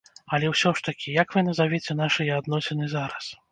Але ўсё ж такі, як вы назавяце нашыя адносіны зараз?